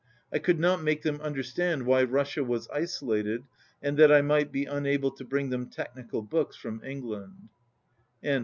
I could not make them understand why Russia was isolated, and that I might be unable to bring them technical books from England.)